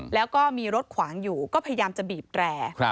แล้วก็มีรถขวางอยู่ก็พยายามจะบีบแตร